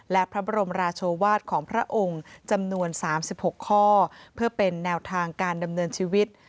และพระบรมราชวาสของพระองค์จำนวน๓๖ข้อเพื่อเป็นแนวทางการดำเนินชีวิต